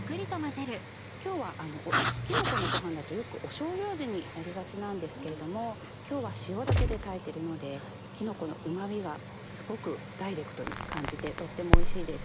今日はきのこのごはんだとよくしょうゆ味になりがちなんですけれども今日は塩だけで炊いてるのできのこのうま味がすごくダイレクトに感じてとってもおいしいです。